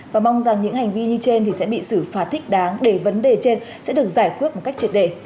và mong rằng những hành vi như trên thì sẽ bị xử phạt thích đáng để vấn đề trên sẽ được giải quyết một cách triệt đề